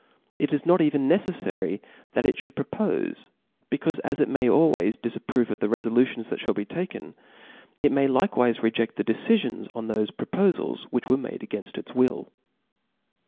It is not even nc ^\ J ceflary that it fliould propofc, becaufe as it may '^■"' aJways difapprove of the refolutions that fliall be taken, it may likewife reje6t the decifions on thofe propofals which were made againft its will.